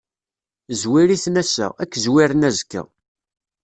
Zzwir-iten ass-a, ad k-zwiren azekka.